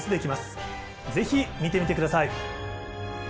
是非見てみてください。